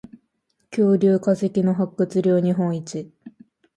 恐竜化石の発掘量日本一